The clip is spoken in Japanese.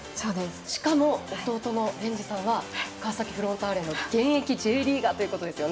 しかも弟の蓮之さんは川崎フロンターレの現役Ｊリーガーという。